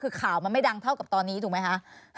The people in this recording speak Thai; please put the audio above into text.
คือข่าวมันไม่ดังเท่ากับตอนนี้ถูกไหมคะ